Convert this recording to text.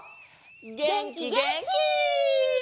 げんきげんき！